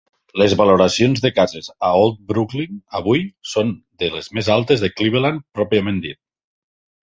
Les valoracions de cases a Old Brooklyn, avui, són de les més altes de Cleveland pròpiament dit.